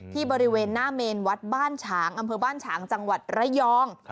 บริเวณหน้าเมนวัดบ้านฉางอำเภอบ้านฉางจังหวัดระยอง